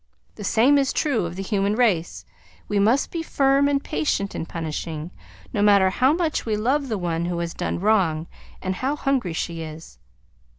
The same is true of the human race. We must be firm and patient in punishing, no matter how much we love the one who has done wrong, and how hungry she is.